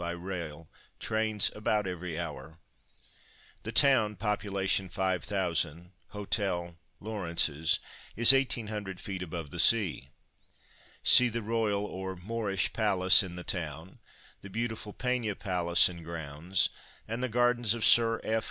by rail, trains about every hour). The town (pop. 5000, hotel—Lawrence's) is 1800 ft. above the sea. See the Royal or Moorish Palace in the town, the beautiful Pena Palace and grounds, and the gardens of Sir F.